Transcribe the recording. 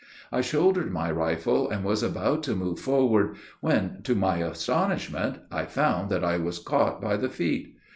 I shouldered my rifle, and was about to move forward, when, to my astonishment, I found that I was caught by the feet.